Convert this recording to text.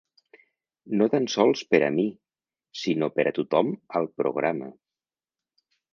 No tan sols per a mi, sinó per a tothom al programa.